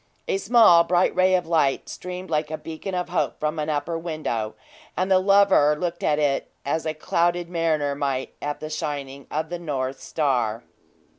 A small, bright ray of light streamed like a beacon of hope from an upper window, and the lover looked at it as a clouded mariner might at the shining of the North Star.